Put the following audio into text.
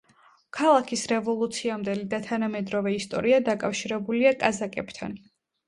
ქალაქის რევოლუციამდელი და თანამედროვე ისტორია დაკავშირებულია კაზაკებთან.